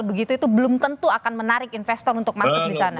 begitu itu belum tentu akan menarik investor untuk masuk di sana